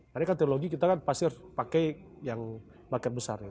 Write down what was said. karena kan teknologi kita kan pasti harus pakai yang bucket besarnya